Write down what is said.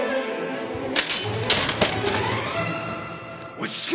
落ち着け！